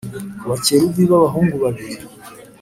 ku bakerubi d Abahungu babiri